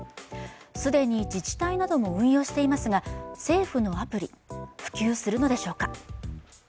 既に自治体なども運用していますが、政府のアプリ、普及するのでしょうか。